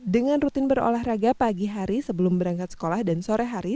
dengan rutin berolahraga pagi hari sebelum berangkat sekolah dan sore hari